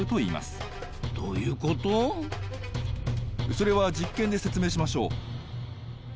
それは実験で説明しましょう。